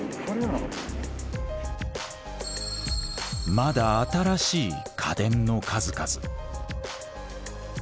まだ新しい家電の数々。